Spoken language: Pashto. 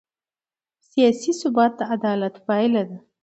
سیاسي ثبات د عدالت پایله ده